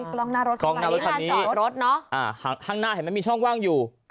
กล้องหน้ารถข้างหน้ารถข้างนี้ห้างหน้าเห็นไหมมีช่องว่างอยู่